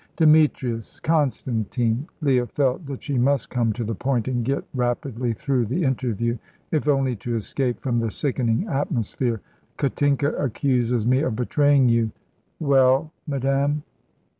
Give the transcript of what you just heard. "Demetrius Constantine." Leah felt that she must come to the point and get rapidly through the interview, if only to escape from the sickening atmosphere. "Katinka accuses me of betraying you." "Well, madame?"